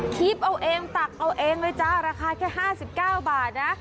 คีบเอาเองตักเอาเองเลยจ้าราคาแค่ห้าสิบเก้าบาทน่ะ